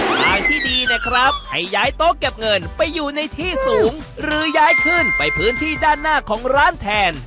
ทางที่ดีเนี่ยครับให้ย้ายโต๊ะเก็บเงินไปอยู่ในที่สูงหรือย้ายขึ้นไปพื้นที่ด้านหน้าของร้านแทน